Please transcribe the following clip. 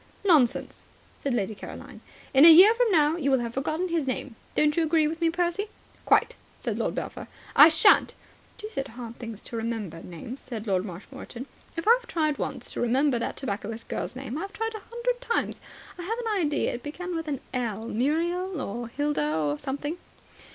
"Nonsense," said Lady Caroline. "In a year from now you will have forgotten his name. Don't you agree with me, Percy?" "Quite," said Lord Belpher. "I shan't." "Deuced hard things to remember, names," said Lord Marshmoreton. "If I've tried once to remember that tobacconist girl's name, I've tried a hundred times. I have an idea it began with an 'L.' Muriel or Hilda or something."